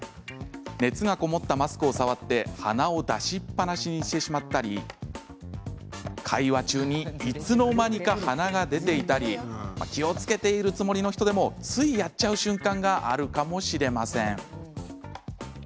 熱が籠もったマスクを触って鼻を出しっぱなしにしてしまったり会話中にいつの間にか鼻が出ていたり気をつけているつもりの人でもついやっちゃう瞬間があるかもしれません。